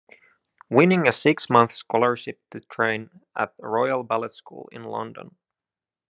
Winning a six-month scholarship to train at the Royal Ballet School in London.